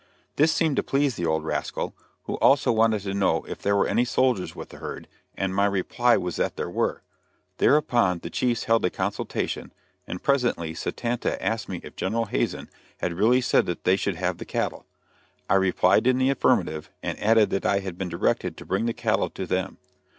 This seemed to please the old rascal, who also wanted to know if there were any soldiers with the herd, and my reply was that there were. Thereupon the chiefs held a consultation, and presently Satanta asked me if General Hazen had really said that they should have the cattle. I replied in the affirmative, and added that I had been directed to bring the cattle to them.